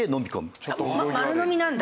丸のみなんだ！